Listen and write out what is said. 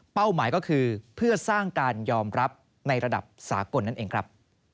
หมายก็คือเพื่อสร้างการยอมรับในระดับสากลนั่นเองครับ